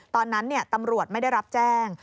ตอนนั้นตำรวจไม่ได้รับแจ้ง